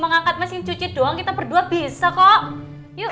mengangkat mesin cuci doang kita berdua bisa kok yuk